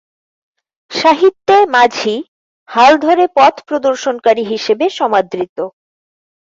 সাহিত্যে মাঝি, হাল ধরে পথ প্রদর্শনকারী হিসেবে সমাদৃত।